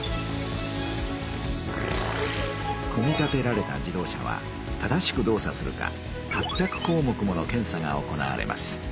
組み立てられた自動車は正しく動作するか８００項目もの検査が行われます。